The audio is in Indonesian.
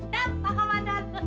siap pak komandan